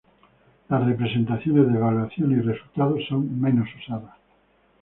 Las representaciones de evaluaciones y resultados son menos usadas.